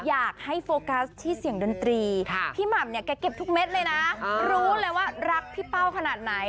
อยากให้โฟกัสที่เสียงดนตรีพี่หม่ำเนี่ยแกเก็บทุกเม็ดเลยนะรู้เลยว่ารักพี่เป้าขนาดไหน